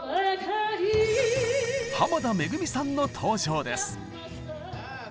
濱田めぐみさんの登場です。